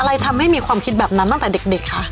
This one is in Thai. ทำให้มีความคิดแบบนั้นตั้งแต่เด็กคะ